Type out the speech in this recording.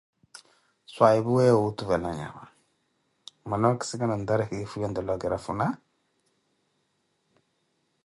Swayipwu, weeyo tuutule owuuttuvela nyama, mmana okisikana kifhwiye ntarikhi, ontteela okirafhuna?